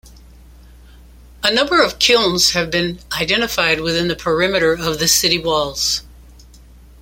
A number of kilns have been identified within the perimeter of the city walls.